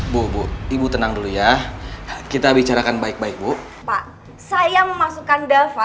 bu bu ibu tenang dulu ya kita bicarakan baik baik bu pak saya memasukkan dava